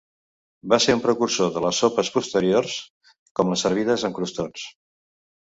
Va ser un precursor de les sopes posteriors com les servides amb crostons.